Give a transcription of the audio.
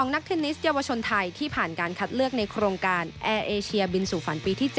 นักเทนนิสเยาวชนไทยที่ผ่านการคัดเลือกในโครงการแอร์เอเชียบินสู่ฝันปีที่๗